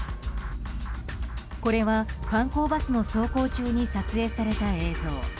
これは観光バスの走行中に撮影された映像。